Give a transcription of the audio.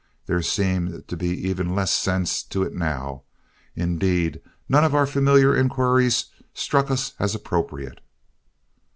There seemed to be even less sense to it now. Indeed none of our familiar inquiries struck us as appropriate.